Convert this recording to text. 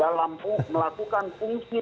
dalam melakukan fungsi